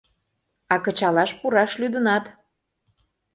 — А кычалаш пураш лӱдынат.